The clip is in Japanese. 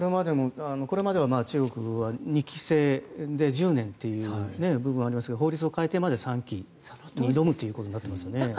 これまでは中国は２期制で１０年という部分がありましたが法律を変えてまで３期に挑むということになりますよね。